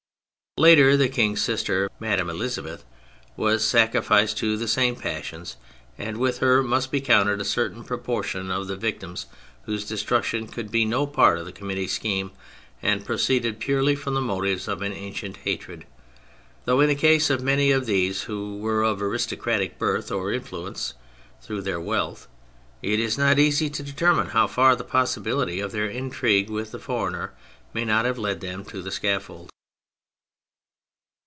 Later the King's sister, Madame Elisabeth, was sacrificed to the same passions, and with her must be counted a certain proportion of the victims whose destruction could be no part of the Committee's scheme, and pro ceeded purely from the motives of an ancient hatred, though in the case of many of these who were of aristocratic birth or of influence through their w^ealth, it is not easy to deter mine how far the possibility of their intrigue with the foreigner may not have led them to the scaffold.